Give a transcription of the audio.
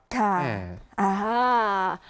ค่ะอะฮ่า